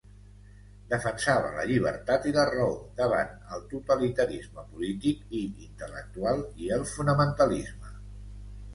Defensava la llibertat i la raó davant el totalitarisme polític i intel·lectual i el fonamentalisme.